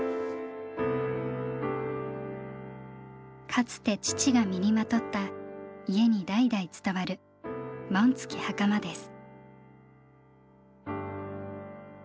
かつて父が身にまとった家に代々伝わる紋付きはかまです。